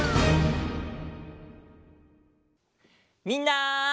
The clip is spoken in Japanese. みんな！